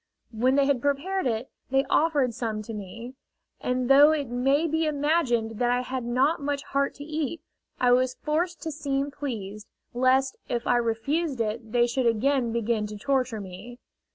When they had prepared it, they offered some to me, and though it may be imagined that I had not much heart to eat, I was forced to seem pleased, lest if I refused it they should again begin to torture me.